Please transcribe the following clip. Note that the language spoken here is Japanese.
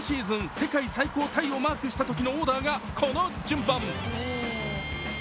世界最高タイをマークしたときのオーダーがこの順番。